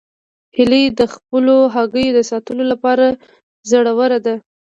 هیلۍ د خپلو هګیو د ساتلو لپاره زړوره ده